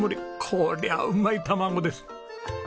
こりゃあうまい卵です。